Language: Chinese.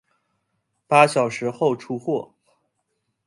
八小时后出货